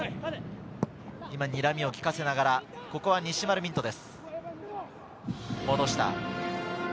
にらみをきかせながら、ここは西丸道人です。